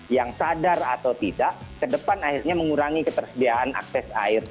yang sadar atau tidak ke depan akhirnya mengurangi ketersediaan akses air